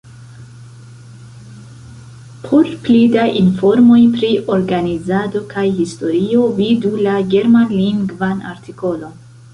Por pli da informoj pri organizado kaj historio vidu la germanlingvan artikolon.